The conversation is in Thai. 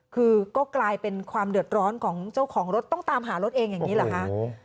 คือก็กลายเป็นความเดือดร้อนของเจ้าของรถต้องตามหารถเองอย่างนี้เหรอคะ